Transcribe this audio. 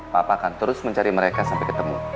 papa akan terus mencari mereka sampai ketemu